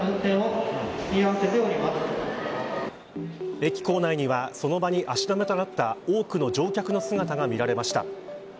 駅構内にはその場に足止めとなった多くの乗客の姿が見られました。